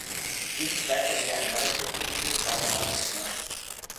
Dies ist gleichzeitig eine relativ subtile Form der Marktöffnung.